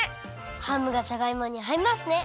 ハムがじゃがいもにあいますね！